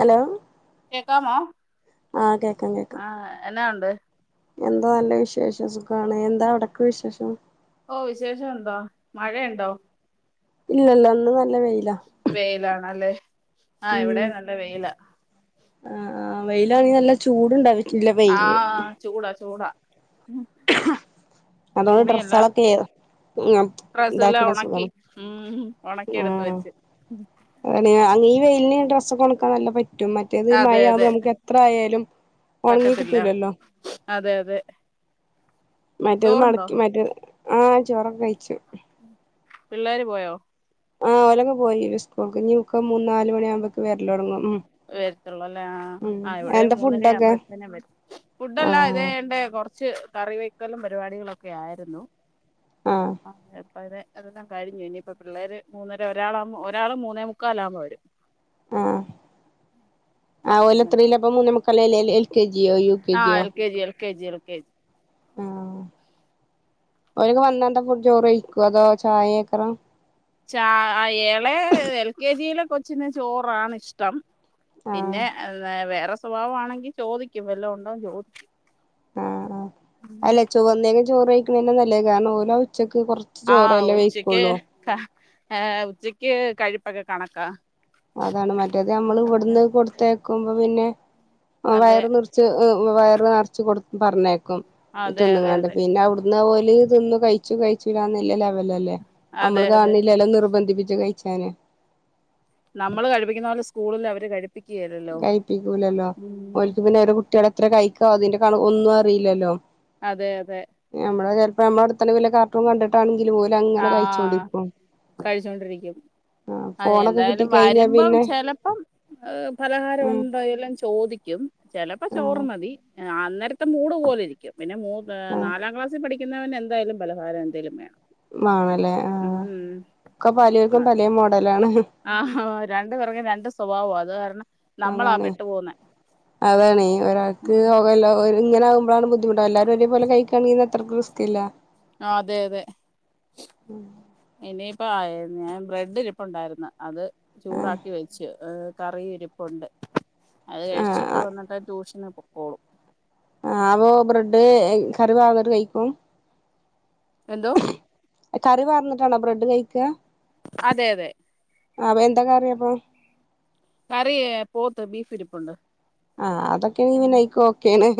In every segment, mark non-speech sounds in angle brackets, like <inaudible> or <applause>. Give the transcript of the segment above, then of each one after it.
Hello കേക്കാമോ ആഹ് കേക്കാം കേക്കാം ആ ഹ എന്നാ ഉണ്ട് എന്താ നല്ല വിശേഷം സുഖാണ് എന്താ അവിടക്ക് വിശേഷം ഓ വിശേഷം എന്തോ മഴയ ഉണ്ടോ ഇല്ല ഇല്ല ഇന്ന് നല്ല വെയില വെയിലാണല്ലേ ആഹ് ഇവിടെ നല്ല വെയിലാ ആഹ ആഹ വെയിലാണെങ്കി നല്ല ചൂടുണ്ടട്ടില്ല വെയില് ആഹ ചൂടാ ചൂടാ അതൊണ്ട് ഡ്രസ്സകുകളൊക്കെ ഫ്രല്ല ഉണക്കി ഉ ഉണക്കി എടുത്ത ആഹ് വെച്ചു ഈ വെയിലിന് ഡ്രസ്സ് കൊണക്കാൻ നല്ല പറ്റും മറ്റേത് അതെ മഴ ആുവുമ്പോ അതെ നമുക്ക് എത്ര ആയാലും ഒണങ്ങി പറ്റത്തില്ല കിട്ടൂലല്ലോ അതെ അതെ മറ്റേത് ചോറുണ്ടോ മടക്കി മറ്റേ ആഹ ചോറൊക്കെ കഴിച്ചു പിള്ളേര് പോയോ ആഹ ഓലങ്ങങ് പോയി സ്കൂൾക്ക് ഇനിക്ക് മൂന്ന് നാല് മണിയാവുമ്പേക്ക് വരല ടങ്ങും ഉം വരത്തുള്ളൂ അല്ലേ ആഹ ഉം ആഹ ഇവിടെ എന്താ മൂന്നര ഫുഡൊക്കെ ആവുമ്പോഴത്തേന വരു ഫുഡല്ല ആഹ് ഇതണ്ട കുറച്ച് കറിവെക്കലും പരിപാടികള ഒക്കെ ആയിരുന്നു ആഹ് അയ് ശരി അപ്പ അതെതല്ലാം കഴഞ്ഞു ഇനിയിപ്പൊ പിള്ളേര് മൂന്നര ഒരാളുമോ ഒരാള് മൂന്നേ മുക്കാല ആാവുമ്പോ വരും ആഹ ആഹ അന്നിട്ട് ഓലത്രയില അപ്പ മൂന്ന മുുക്കല്ലല്ല എൽ കെ ജിയോ യു കെ ആഹ് ജിയോ L K G L K G L A ആഹ് ഓല് ങ്ങ് വന്നാ ന്താ ഫുഡ് ചോറ്ഴിക്കൊ അതോ ചായ ക്കല ചായഎളേ എൽ കെ ജിയിലെ കൊച്ചിന് ചോറാണ് ഇഷ്ടം ആഹ് പിന്നെ വേറെ സ്വഭാവ ആണെങ്കിൽ ചോദിക്കും വല്ലോം ഉണ്ടോന്ന് ചോദിക്കും ആഹ് ആഹ് അല്ല ചോ വന്നേ ചോറ് കഴിക്കുന്നന്നെ നല്ലത് കാരണം ഓല് ഉച്ചക്ക് കൊറച്ച് ച്ച് ചോറല്ലേ വെയ്ക്കുള്ളൂ ആ ഉച്ചയ്ക്ക് കഴിപ്പൊക്കെ കണക്കാ അതാണ് മറ്റേത് അമ്മള് ഇവട്ന്ന് കൊട്ത്തേക്കുമ്പം പിന്നെ അഹ് അതെ വയറ് നിർ.... ച്ച് വയറ് നർച്ച് കൊട് പർഞ്ഞേക്കും അതെ അതെ തിന്ന്ങ്ങാണ്ട്. അതെ പിന്നെ അവ്ട് ന്ന ഓല് തിന്ന് കഴിച്ചു കഴിച്ചൂ ലാന്നല്ലെ ലെവലല്ലെ. അതെ അമ്മള് അതെ കാൺന്നില്ലല്ലൊ. നിർബന്ധിപ്പിച്ച് കഴി.... ച്ചാന് നമ്മള് കഴിപ്പിക്കുന്നോലെ സ്കൂളിൽ അവര് കഴ് കഴ്പ്പിക്കൂലല്ലൊ. ഓൽക്ക് പിന്നെ ഓരോ കുട്ട്യെള് എത്ര കഴിക്കാ അതിന്റെ കണക്ക് ഒന്നും അറിയില്ലാലൊ. അതെ അതെ. ഞമ്മള് ചെൽപ്പൊ അമ്മളെ അട്ത്തന്നെ വെല്ല കാർട്ടൂൺ കണ്ടിട്ടാണെങ്കിലും ഓലങ്ങനെ ആഹ് കഴിച്ചോണ്ടിരിക്കും. കഴിച്ചോണ്ടിരിക്കും. ആ അതെ ഫോണൊക്കെ എന്തായാലും കിട്ടിക്കഴിഞ്ഞാ വാരുമ്പം പിന്നെ ചെലപ്പം ഏഹ് പലഹാരം ആ ഉണ്ടോ എല്ലാം ചോദിക്കും. ചെലപ്പം ആ ചോറ് മതി. അന്നേരത്തെ മൂട് പോലെ ഇരിക്കും. പിന്നെ മൂ ഏഹ് ആ നാലാം ക്ലാസ്സി പഠി.... ക്കുന്നവന് എന്തായാലും പലഹാരം എന്തേലും വേണം. വാണം ല്ലേ ആഹ്. ഉം ക്ക പലേര്ക്കും പലേ മോഡലാണ്. ആഹ് രണ്ട് പേർക്കും രണ്ട് സ്വഭാവാ. അത് കാരണം നമ്മളാ അതാണ്, പെട്ടു പോകുന്നെ അതാണെ. ഒരാക്ക് <unintelligible> ഇങ്ങനെ ആവുമ്പളാണ് ബുദ്ധിമുട്ട്. അല്ലാരും ഒരേ പോലെ കഴിക്കാണെങ്കിന്ന ത്രക്കും റിസ്കില്ലാ. ആഹ് അതെ, അതെ. ഉം ഇനിയിപ്പ ആയ് ഞാൻ ബ്രെഡ് ഇരിപ്പ് ണ്ടായിരുന്ന്. അത് ചൂടാക്കി വെച്ചു. ഏഹ് കറി ഇരിപ്പുണ്ട്. അത് ആ കഴിച്ചിട്ട് വന്ന്ട്ടെ ട്യൂഷന് പോ.... ആഹ് അപ്പൊ ബ്രെഡ്‌ കറി പാർന്ന്ട്ട് കഴിക്കും? എന്തോ? കറി പാർന്ന്ട്ടാണൊ ബ്രെഡ് കഴിക്കാ? അതെ, അതെ. അപ്പൊ എന്താ കറി അപ്പൊ? കറി ഏഹ് പോത്ത്. ബീഫ് ഇരിപ്പുണ്ട്. ആഹ് അതൊക്കെയാണങ്കി പിന്നെ അയ്ക്ക് ഓക്കേണ്.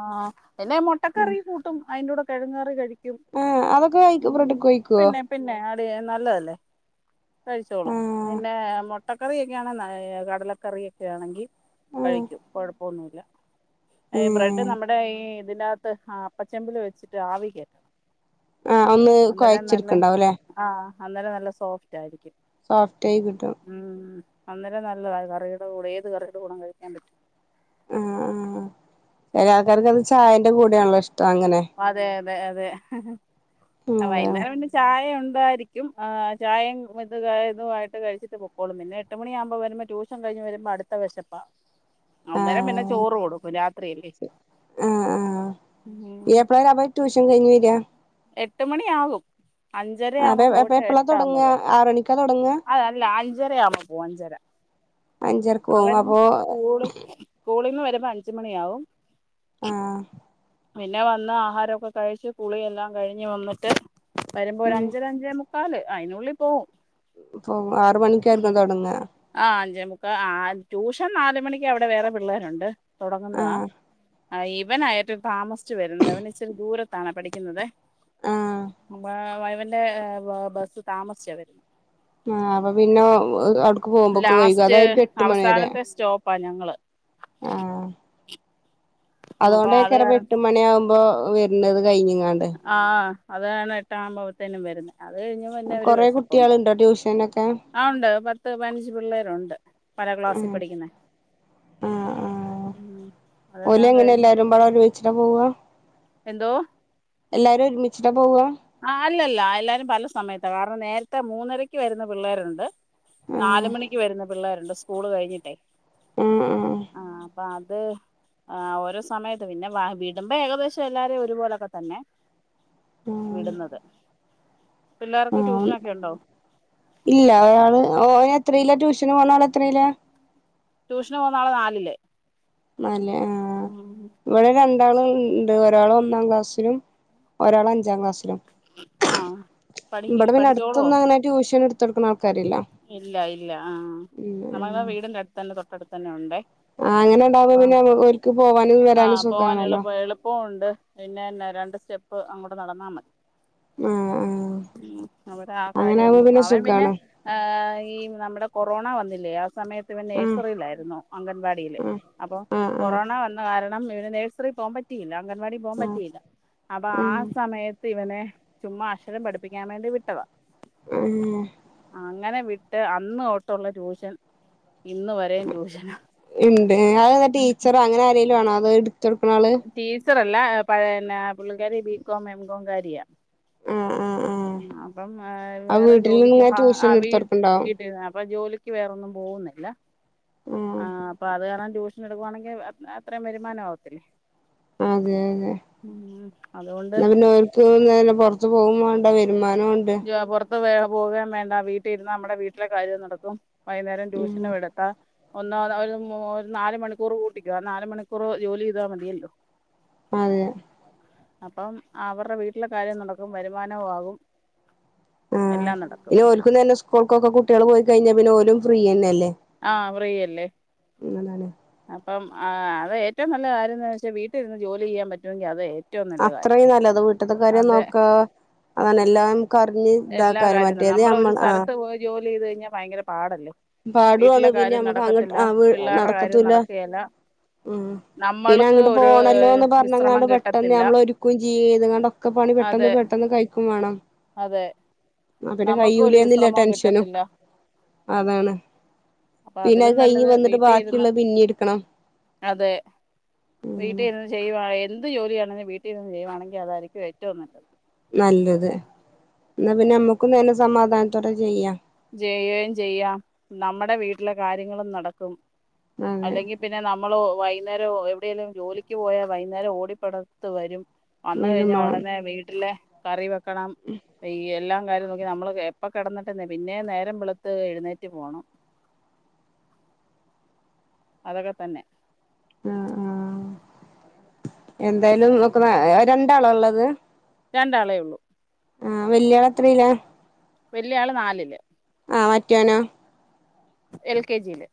ആഹ് പിന്നെ മുട്ടക്കറി കൂട്ടും. അയിൻ്റൂടെ കെഴങ് കറി കഴി.... ഏഹ് അതൊക്കെ കഴ്ക്കൊ ബ്രെഡ്ക്ക് കഴിക്കൊ? പിന്നെ പിന്നെ അത് നല്ലതല്ലെ കഴിച്ചോളും. ആ പിന്നെ മുട്ടക്കറിയൊക്കെയാണെ ന.... കടലക്കറിയൊക്കെ ആണെങ്കി ആ കഴിക്കും. കൊഴപ്പൊന്നുല്ല. ഏഹ് ബ്രഡ് ഉം നമ്മടെ ഈ തിൻ്റാകത്ത് ആഹ് അപ്പച്ചെമ്പില് വെച്ചിട്ട് ആവി കേറ്റണം. ആഹ് ഒന്ന് കൊയച്ചിട്ക്ക്ണ്ടാവും ലെ. ആഹ് അന്നേരം നല്ല സോഫ്റ്റായി രിക്കും. സോഫ്റ്റായി കിട്ടും. ഉം അന്നേരം നല്ലതാ. കറിയുടെ കൂടെ ഏത് കറിയുടെ കൂടേം കഴിക്കാം പറ്റും. ആഹ് ആഹ്. ചെല ആൾക്കാർക്ക് അത് ചായന്റെ കൂടെയാണല്ലൊ ഇഷ്ടം അങ്ങനെ. അതെ, അതെ, അതെ. അഹ് അതാണ് വൈന്നേരം പിന്നെ ചായ ഉണ്ടായിരി.... ക്കും ആഹ് ചായേം ഇത് കാ ഇത് വായിട്ട് കഴിച്ചിട്ട് പൊക്കോളും. പിന്നെ എട്ട് മണിയാവ്‌മ്പം വെര്മ്പം ട്യൂഷൻ കഴിഞ്ഞ് വെര്മ്പ അട് അടുത്തത്ത് ത്ത വെശപ്പാ. അന്നേരം പിന്നെ ആ ചോറ് കൊടുക്കും രാത്രിയല്ലെ. ആഹ് ആഹ് ഇയ്യ് ഉം എപ്പളാ അപ്പൊ ട്യൂഷൻ കഴിഞ് വെരാ? എട്ട് മണിയാവും. അപ്പ അഞ്ചരായാമ്പം എപ്പ പോട്ട് എപ്പളാ എട്ടാവ്മ്പം തൊടങ്ങാ വെരാ. ആറ് മണിക്കാ തൊടങ്ങാ അത് അല്ലാ. അഞ്ചരയാമ്പം പോഞ്ചര അഞ്ചരക്ക് പോവും അപ്പൊ അവന്സ്കൂള് സ്കൂളിന്ന് വരുമ്പോ അഞ്ച് മണിയാവും ആഹ് പിന്നെ വന്ന് ആഹാരൊക്കെ കഴിച്ച് കുളിയല്ലാം കഴിഞ്ഞ് വന്നിട്ട് വരുമ്പോ ഒരു ഉം അഞ്ചര അഞ്ചേമു ക്കാല് അയിനുള്ളി പോവും പ്പൊ ആറ് മണിക്കായിരുന്നു തൊടങ്ങാ ആഹ് അഞ്ചേ മുക്കാ, ആ ട്യൂഷൻ നാല് മണിക്ക അവിടെ വേറെ പിള്ളേരുണ്ട് തുടങ്ങുന്നതാ ആഹ് ആ ഇവനാ ഏറ്റവും താമസിച്ചു വരുന്നത് അവൻ ഇച്ചിരി ദൂരത്താണ് പഠിക്കുന്നത് ആഹ് ബ വൈ ഇവന്റെ ബസ്സ് താമസിച്ച വരുന്നത് ആഹ് അപ്പ പിന്നെ ഔട്ക്ക് പോവുമ്പോക്ക് വൈകും അതായിരിക്കും എട്ട് മണിവരെ പ ഞങ്ങള് ആഹ് അപ്പൊ അത് കാരണം അതോണ്ടയിക്കാരം ഇപ്പ എട്ട് മണിയാഉമ്പോ വര്ണത് കഴിഞ്ഞ്ങ്ങാണ്ട് ആഹ് അതാണ് എട്ടാഉമ്പോത്തിന് വര്ന്ന് അത് കഴിഞ്ഞ് പിന്നെ കൊറേ കുട്ടിയാള്ണ്ടോ ട്യൂഷനൊക്കെ? ആഹ് ഉണ്ട് പത്ത് പതിനഞ്ച് പിള്ളേരുണ്ട് പല ക്ലാസ്സിൽ ആഹ് പഠിക്കുന്ന. ആഹ് ആഹ് ഉം അതെല്ലാം ഓലങ്ങനെ കഴിഞ്ഞ് എല്ലാരുമ്പാടെ ഒര്മിച്ച്ട്ടാ പോവാ എന്തോ? എല്ലാരും ഒരുമിച്ചിട്ടാ പോവാ? ആഹ് അല്ലല്ല എല്ലാരും പല സമയത്താ കാരണം നേരത്തെ മൂന്നരക്ക് വരുന്ന പിള്ളേരുണ്ട്. ആഹ് നാല് മണിക്ക് വരുന്ന പിള്ളേരുണ്ട് സ്കൂള് കഴിഞ്ഞിട്ടേ. മം മം അപ്പ അത് ഓരോ സമയത്ത് പിന്നെ വ വിടുമ്പോ ഏകദേശം എല്ലാരും ഒരുപോലൊക്കെ തന്നെ ആഹ് വിടുന്നത്. പിള്ളേർക്ക് ആഹ് ട്യൂഷനൊക്കെയുണ്ടോ? ഇല്ല. ഒരാള് ഓന് എത്രീല ട്യൂഷന് പോണാള് എത്രീലാ? ട്യൂഷന് പോന്നാള് നാലില് നാല് ആ ഇവിടെ ര ണ്ടാള്ണ്ട് ഒരാള് ഒന്നാം ക്ലാസ്സിലും, ഒരാള് അഞ്ചാം ക്ലാസ്സിലും. ആഹ് പഠി പഠിച്ചോളോ. ട്യൂഷന് ഇട്ത്തൊട്ക്ക്ണ ആൾക്കാരില്ലാ. ഇല്ല ഇല്ല ആഹ് നമ്മളെ വീടിന്റെട്ത്തന്നെ തൊട്ടടുത്ത്ന്നെ ഉണ്ടേ ആഹ് അങ്ങനെ ഇണ്ടാവ് അപ്പൊ വ്പിന്നെ ഓൽക്ക് പോവാനും വരാനും സുഖിണല്ലോ എളുപ്പു ഉണ്ട് പിന്നെ എന്നാ രണ്ട് സ്റ്റെപ്പ് അങ്ങോട്ട് നടന്നാ മതി ആഹ് ആഹ് ഉം അവിടെ ആ അങ്ങനെ കാര്യ ആവുമ്പോ അങ്ങ് അവൻ പിന്നെ സുഖാണ് എഹ് ഈ നമ്മുടെ കൊറോണ വന്നില്ലേ ആ സമയത്ത് ഇവൻ ആഹ് നേഴ്സറിയിലായിരുന്നു അംഗൻവാടിയില്. ആഹ് അപ്പൊ ആഹ് കൊറോണ ആഹ് വന്ന കാരണം ഇവന് നേഴ്സറി പോവാം പ റ്റിയില്ല. അംഗൻവാടി പോവാം ആഹ് പറ്റിയില്ല അപ്പ ആ ആഹ് സമയത്ത് ഇവനെ ചുമ്മാ അക്ഷരം പഠിപ്പിക്കാം വേണ്ടി വിട്ടതാ ഏഹ് ആഹ് അങ്ങനെ വിട്ട് അന്ന് തൊട്ടുള്ള ട്യൂഷൻ, ഇന്ന് വരേം ട്യൂഷനാ ഇണ്ട്. അതെന്താ ടീച്ചറോ അങ്ങനെ ആരേലും ആണോ അത് ഇട്ത്ത് കൊട്ക്ക്ണള് ടീച്ചറല്ല. പഴ ന്നെ പുള്ളികാരി ബികോം എംകോം കാരിയ ആഹ് ആഹ് ആഹ് ഉം അപ്പം ആ വേറെ വീട്ടിൽ ജോലിക്ക് നിങ്ങ ഹ അ ട്യൂഷൻ വീട്ടി എടുത്തോർക്കുണ്ടോ വീട്ടിന്ന് അപ്പം ജോലി ക്ക് വേറൊന്നും പോവുന്നില്ല ആഹ് അപ്പ അത് കാണാൻ ട്യൂഷൻ എടുക്കുവാണെങ്കി അത്രേം വരുമാനാവത്തില്ലേ അതെ അതെ അതുകൊണ്ട് എന്നാ പിന്നെ ഓൽ ക്ക് തോന്നുന്നേരം പുറത്തുപോകും വേണ്ട വരുമാനം ഉണ്ട് പുറത്ത് വ പോകാൻ വേണ്ട വീട്ടിൽ ഇരുന്ന് നമ്മടെ വീട്ടിലെ കാര്യം നടക്കും വൈകുന്നേരം ഉം ട്യൂഷനും എടുക്കാ ഒന്നോ ഒരു നാല് മണിക്കൂർ കൂട്ടിക്കോ ആ നാല് മണിക്കൂർ ജോലി ചെയ്താൽ മതിയല്ലോ അതെ അപ്പം അവരുടെ വീട്ടിലെ കാര്യം നടക്കും വരുമാനവും ആകും ആ എല്ലാം നടക്കും പിന്നെ ഒൽക്കും തന്നെ സ്കൂൾക്കൊക്കെ കുട്ടികൾ പോയി കഴിഞ്ഞാ പിന്നെ ഓരും ഫ്രീ തന്നെ അല്ലേ ആഹ് ഫ്രീ അല്ലേ ഉം അതാണ് അപ്പം ആ അത് ഏറ്റവും നല്ല കാര്യം എന്ന് വെച്ചാൽ വീട്ടിലിരുന്ന് ജോലി ചെയ്യാൻ പറ്റുമെങ്കിൽ അത് ഏറ്റവും നല്ല കാര്യം അത്രയും നല്ലത് വീട്ട്ത്തെ കാര്യം അതെ നോക്ക അതാണ് എല്ലാം പറിഞ്ഞ് എല്ലാ ഇതാക്കാനും കാര്യം മറ്റേത് നമ്മള ഒരു നമ്മ ആ സ്ഥലത്ത് പോയി ജോലി ചെയ്ത് കഴിഞ്ഞ ഭയങ്കര പാടല്ലേ പാടുവാണ് വീട്ടിലെ പിന്നെ കാര്യം നമുക്ക് അങ്ങോട്ട് നടക്കത്തില്ല ആ പിള്ളേരുടെ കാര്യം നടക്കത്തൂല്ല നടക്കുകയില്ല. ഉം പിന്നെ നമ്മൾക്ക് അങ്ങട്ട് ഒരു പോണല്ലോ എന്ന് വിശ്രമം പറഞ്ഞ്ങ്ങാണ്ട് പെട്ടെന്ന് കിട്ടത്തില്ല നമ്മളൊരുക്കും ചെയ്ത്ങ്ങാണ്ടൊ ഒക്കെ പണി പെട്ടെന്ന് അതെ പെട്ടെന്ന് കഴിക്കും വേണം അതെ അതൊക്കെ നമുക്ക് ഒരു കൈയ്യൂലെന്ന്ള്ള വിശ്രമവും ടെൻഷനും കിട്ടത്തില്ല അതാണ് അപ്പൊ പിന്നെ അത് അതിലും കഴിഞ്ഞ് നല്ലത് വന്നിട്ട് വീട്ടിൽ ഇരുന്ന് ബാക്കിയുള്ള പിന്നെയും എടുക്കണം അതെ വീട്ടിൽ നിന്ന് ചെയ്യുവാ എന്ത് ജോലിയാണെങ്കിലും വീട്ടിൽ നിന്ന് ചെയ്യുവാണെങ്കിൽ അതായിരിക്കും ഏറ്റവും നല്ലത് നല്ലത് എന്നാ പിന്നെ നമ്മുക്ക് നല്ല സമാധാനത്തോടെ ചെയ്യാം ചെയ്യുകയും ചെയ്യാം. നമ്മുടെ വീട്ടിലെ കാര്യങ്ങളും നടക്കും അതെ അല്ലെങ്കിൽ പിന്നെ നമ്മൾ വൈകുന്നേരം എവിടെയെങ്കിലും ജോലിക്ക് പോയാൽ വൈകുന്നേരം ഓടി പടർത്ത് വരും വന്ന് കഴിഞ്ഞാൽ വരുമാണം ഉടനെ വീട്ടിലെ കറി വെക്കണം ഈ എല്ലാം കാര്യം നോക്കി നമ്മള് എപ്പം കിടന്നിട്ടന്നെ പിന്നെ നേരം വെളുത്ത് എഴുന്നേറ്റ്. പോകണം അതൊക്കെ തന്നെ ആ ആ എന്തായാലും നിക്ക് രണ്ടാളാ ഉള്ളത് രണ്ടാളേ ഉള്ളൂ ആഹ് വലിയ ആള് എത്രയിലാ വല്യ ആള് നാലില് ആഹ് മറ്റോനോ എൽ കെ ജിയില്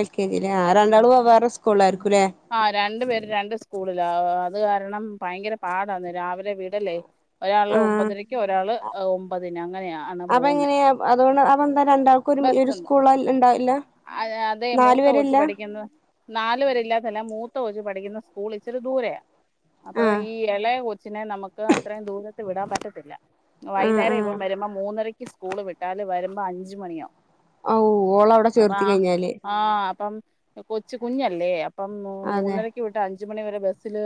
എൽ കെ ജി യില് ആ രണ്ടാളും വേറെ വേറെ സ്കൂളില് ആരിക്കുംലേ ആഹ് രണ്ടു പേര് രണ്ട് സ്കൂളിലാ അത് കാരണം ഭയങ്കര പാടാന്ന് രാവിലെ വീടലേ ഒരാള് ആഹ് ഒമ്പതരക്ക് ഒരാൾ ഒമ്പതിന് അങ്ങനെയ അപ്പം എങ്ങനെയാ അതുകൊ അതെന്താ രണ്ടാ ക്കുംഒരു സ്കൂള ഉണ്ടായില്ല ആ അതേ മൂത്ത കൊച്ച് പഠിക്കുന്ന നാല് വരെ ഇല്ലാത്തല്ല മൂത്ത കൊച്ച് പഠിക്കുന്ന സ്കൂൾ ഇച്ചിരി ദൂരെയാ അപ്പൊ ആഹ് ഈ ഇളയ കൊച്ചിനെ നമുക്ക് അത്രയും ദൂരത്ത് വിടാൻ പറ്റത്തില്ല ആഹ് വൈകുന്നേരം ആഹ് ഇവം വരുമ്പോ മൂന്നരക്ക് സ്കൂള് വിട്ടാല് വരുമ്പോ അഞ്ചു മണിയാവും ഔ ഓള അവിടെ അപ്പൊ ചേർത്തി കഴിഞ്ഞാല് ആ അപ്പം കൊച് കുഞ്ഞല്ലേ. അപ്പം അതെ മൂന്നര വിട്ട് അഞ്ചു മണി വരെ ബസ്സില്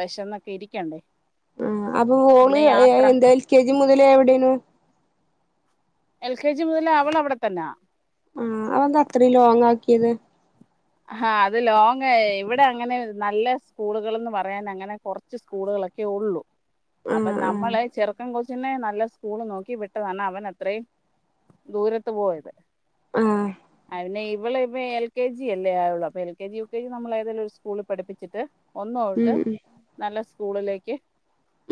വിശംന്നൊക്കെ ഇരിക്കണ്ടേ ആഹ് അപ്പൊ ഓള് പിന്നെ യാത്ര എന്തെൽ കെ ജി മുതലേ എവിടെന്നു എൽ കെ ജി മുതൽ അവളവിടെ തന്നാ ആഹ് അതെന്താ അത്രയും ലോങ് ആക്കിയത് ആഹ് അത് ലോങേ ഇവിടെ അങ്ങനെ നല്ല സ്കൂളുകൾന്ന് പറയാൻ അങ്ങനെ കൊറച്ച് ച്ച്സ്കൂളുകളൊക്കെ ഉള്ളൂ ആഹ് അപ്പൊ ആഹ് നമ്മള ചെറ അപൂസിനെ കൊച്ചിനെ നല്ല സ്കൂള് നോക്കി വിട്ടതാണ് അവൻ അത്രയും ദൂരത്ത് പോയത് ആഹ് അയിന് ഇവള് ഇപ്പ എൽ കെ ജി ജി അല്ലേ ആയുള്ളൂ അപ്പൊ L K G U K G നമ്മള് ഏതേലും ഒരു സ്കൂളിൽ പഠിപ്പിച്ചിട്ട് ഒന്ന് ഒട്ട് ഉം ഉം നല്ല സ്കൂളിലേക്ക്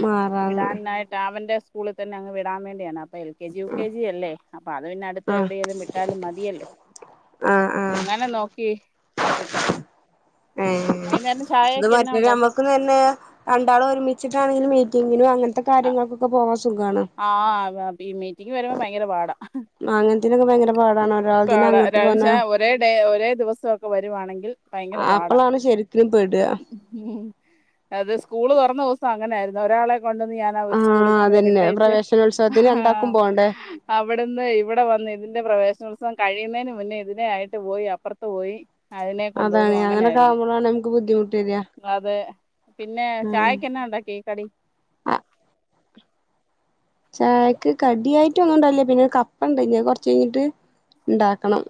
മാറാന്ന് വിടാനായിട്ട് അവന്റെ സ്കൂളിൽ തന്നെ അങ്ങ് വിടാൻ വേണ്ടിയാണ് അ അപ്പ L K G U K G അല്ലേ അപ്പ അത് പിന്നെ അടുത്ത് ആഹ് എവിടെലും വിട്ടാലും മതിയല്ലോ ആഹ് ആഹ് അങ്ങനെ നോക്കി വിട്ടതാ ഏഹ് വൈന്നേരം ഇത് ചായക്ക് എന്നാ മറ്റത് ഉണ്ടാക്കി നമ്മക്ക് പ്പൊ രണ്ടാള് ഒരുമിച്ചിട്ടാണെങ്കില് മീറ്റിങ്ങിനും അങ്ങനത്തെ കാര്യങ്ങൾക്കൊക്കെ പോവാൻ സുഖാണ് ആഹ് അതെപ്പോ ഈ മീറ്റിംഗിന് വരുമ്പോ ഭയങ്കര പാടാ മാങ്ങനത്തിനൊക്കെ ഭയങ്ക പാടാണ് ഒരാൾ തന്ന പാടാ അങ്ങോട്ട് പോന്ന ഒരേ ഡേ ഒരേ ദിവസ ഒക്കെ വരുവാണെങ്കിൽ ഭയങ്കര ആഹ് പാടാ അപ്പളാണ് ശരിക്കിലും പെട ഉം അത് സ്കൂള് തുറന്ന ദൂസം അങ്ങനെ ആരുന്നു ഒരാളെ കൊണ്ടുവന്ന് ഞാൻ ആഹ് സ്കൂൾള് കൊണ്ട അതന്നെ വിട്ടയച്ച് പ്രവേശനോത്സവത്തിന് രണ്ടാക്കും ആഹ് പോണ്ടേ അവിടുന്ന് ഇവിടെ വന്ന് ഇതിന്റെ പ്രവേശനോത്സവം കഴിയുന്നതിന് മുന്നേ ഇതിനെ ആായിട്ട് പോയി അപ്പുറത്ത് പോയി അതിനെ കൊണ്ടുവന്നു അതാണ് അങ്ങനെക്കാഉമ്പോഴാണ് നമക്ക് ബുന്ധിമുട്ട് വരിയാ അതെ പിന്നെ ചായക്കന്നെ ഉണ്ടാക്കിഈ കടി ആഹ് ചായക്ക് കടിയായിട്ട് ഒന്നുംണ്ടല്ലേ പിന്നെ കപ്പ ഇണ്ടയ്ഞ് കൊറച്ചഴിഞ്ഞിട്ട് ഉണ്ടാക്കണം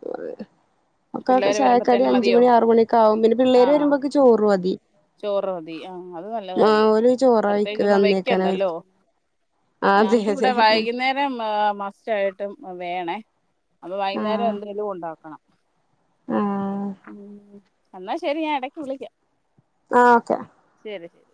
ഒക്കെ പിള്ളേര് ചായക്കാടി വരുമ്പത്തേനും അഞ്ചു മതിയോ മണി ആറു മണിയക്കെ ആകും പിന്നെ ആ പിള്ളേര് വരുമ്പോക്കെ ചോറും മതി ചോറ് മതി ആ അത് നല്ല കാര്യം ഓര് ചോറായ്ക്കല് വന്നേക്കാനം ഞങ്ങക്ക് ഇവിടെ വൈകുന്നേ രം ഏഹ് മസ്റ്റയിട്ടും വേണേ അപ്പം വൈകുന്നേരം ആഹ് എന്തെങ്കിലും ഉണ്ടാക്കണം ആഹ് ഉം എന്നാ ശരി ഞൻ ഇടക്ക് വിളിക്ക ആഹ് ഓക്കെ ശരി ശരി